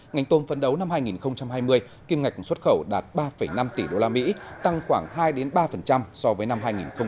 ngành tôm phấn đấu năm hai nghìn hai mươi kim ngạch xuất khẩu đạt ba năm tỷ usd tăng khoảng hai ba so với năm hai nghìn một mươi chín